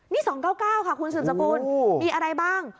นี่๒๙๙ค่ะคุณสืบสกุลมีอะไรบ้าง